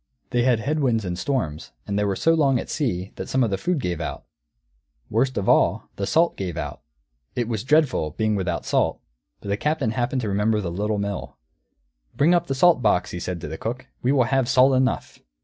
They had head winds and storms, and they were so long at sea that some of the food gave out. Worst of all, the salt gave out. It was dreadful, being without salt. But the Captain happened to remember the Little Mill. "Bring up the salt box!" he said to the cook. "We will have salt enough."